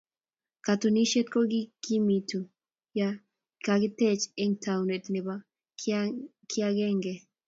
katunisieet kokimiitu ye kakiteech eng tauneet nebo kiyangeei